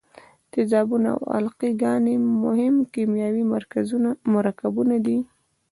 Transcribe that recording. تیزابونه او القلي ګانې مهم کیمیاوي مرکبونه دي.